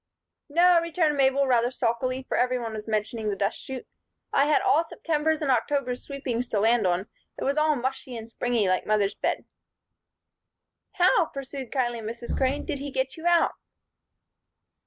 "No," returned Mabel, rather sulkily, for every one was mentioning the dust chute. "I had all September's and October's sweepings to land on. It was all mushy and springy, like mother's bed." "How," pursued kindly Mrs. Crane, "did he get you out?"